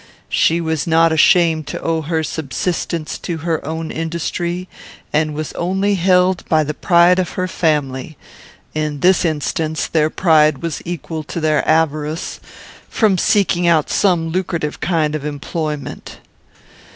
She was not ashamed to owe her subsistence to her own industry, and was only held by the pride of her family in this instance their pride was equal to their avarice from seeking out some lucrative kind of employment.